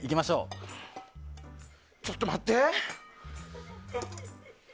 ちょっと待って。